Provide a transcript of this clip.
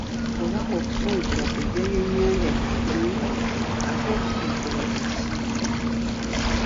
Oba ng'okusunkula kuggya byannyanja ku butimba, ate okusonkolwa kye ki?